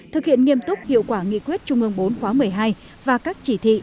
thực hiện nghiêm túc hiệu quả nghị quyết trung ương bốn khóa một mươi hai và các chỉ thị